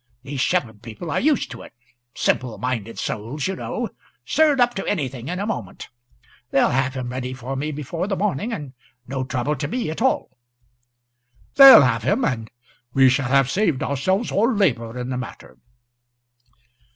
"These shepherd people are used to it simpleminded souls, you know, stirred up to anything a moment. They'll have him ready for me before the morning, and no trouble to me at all." "They'll have him, and we shall have saved ourselves all labour in the matter."